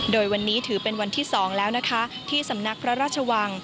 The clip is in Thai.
โดยวันนี้ถือเป็นวันที่๒แล้วนะคะที่สำนักพระราชวัง